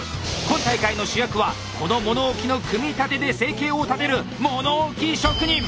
今大会の主役はこの物置の組み立てで生計を立てる物置職人！